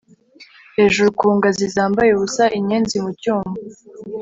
hejuru ku ngazi zambaye ubusa, inyenzi mu cyuma